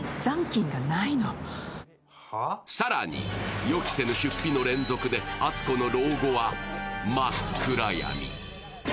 更に、予期せぬ出費の連続で篤子の老後は真っ暗闇。